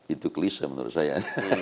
itu klise menurut saya